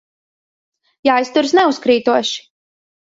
Jāizturas neuzkrītoši.